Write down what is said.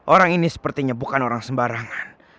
orang ini sepertinya bukan orang sembarangan